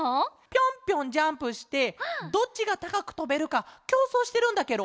ぴょんぴょんジャンプしてどっちがたかくとべるかきょうそうしてるんだケロ。